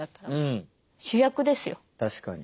確かに。